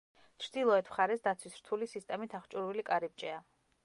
ჩრდილოეთ მხარეს დაცვის რთული სისტემით აღჭურვილი კარიბჭეა.